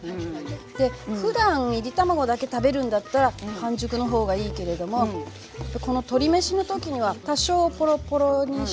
でふだんいり卵だけ食べるんだったら半熟の方がいいけれどもこの鶏めしの時には多少ポロポロにしといて。